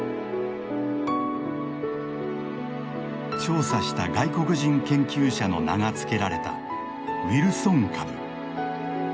調査した外国人研究者の名が付けられたウィルソン株。